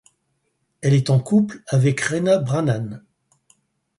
Elle est en couple avec Rena Brannan.